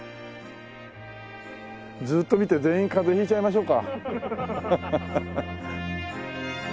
ずっと見て全員風邪引いちゃいましょうか。